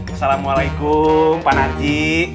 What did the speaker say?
assalamualaikum pak nanji